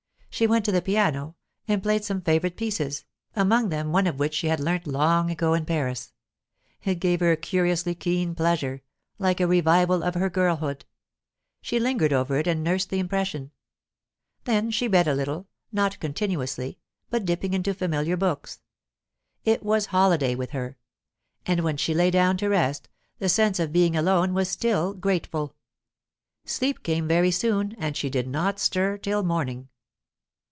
She went to the piano, and played some favourite pieces, among them one which she had learnt long ago in Paris. It gave her a curiously keen pleasure, like a revival of her girlhood; she lingered over it, and nursed the impression. Then she read a little not continuously, but dipping into familiar books. It was holiday with her. And when she lay down to rest, the sense of being alone was still grateful. Sleep came very soon, and she did not stir till morning.